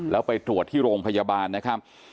แล้วไปตรวจที่โรงพยาบาลนะครับ